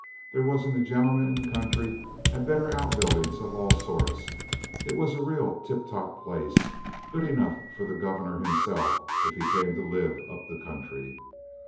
There wasn't a gentleman in the country had better outbuildings of all sorts. It was a real tip top place, good enough for the Governor himself if he came to live up the country.